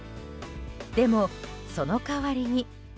でも、その代わりに。